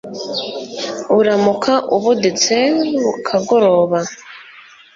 uramuka ubuditse bukagoroba